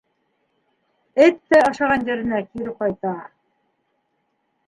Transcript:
Эт тә ашаған еренә кире ҡайта...